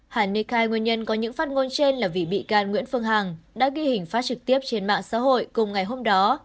hải ni khai nguyên nhân có những phát ngôn trên là vì bị can nguyễn phương hằng đã ghi hình phát trực tiếp trên mạng xã hội cùng ngày hôm đó